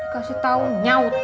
kasih tau nyaut